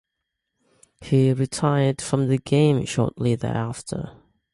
He retired from the game shortly thereafter.